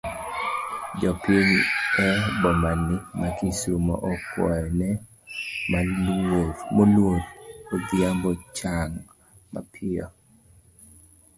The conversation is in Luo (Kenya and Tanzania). Jopiny e bomani ma kisumu okuayo ne moluor Odhiambo chang mapiyo.